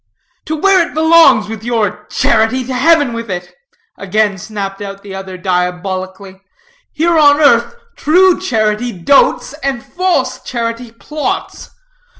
"To where it belongs with your charity! to heaven with it!" again snapped out the other, diabolically; "here on earth, true charity dotes, and false charity plots.